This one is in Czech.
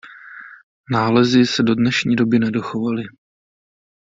Nálezy se do dnešní doby nedochovaly.